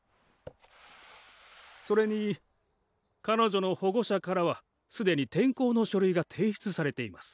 それに彼女の保護者からはすでに転校の書類が提出されています。